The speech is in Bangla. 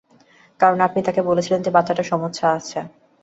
কারণ আপনি তাকে বলেছিলেন যে বাচ্চাটার সমস্যা আছে।